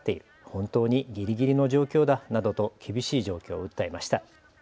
本当にぎりぎりの状況だなどと厳しい状況を訴えました。